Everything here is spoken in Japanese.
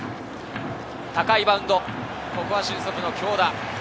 高いバウンド、ここは俊足の京田。